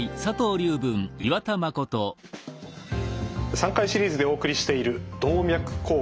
３回シリーズでお送りしている「動脈硬化」。